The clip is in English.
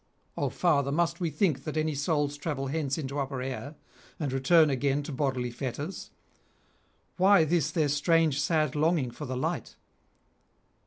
'O father, must we think that any souls travel hence into upper air, and return again to bodily fetters? why this their strange sad longing for the light?'